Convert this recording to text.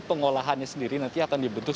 pengolahannya sendiri nanti akan dibentuk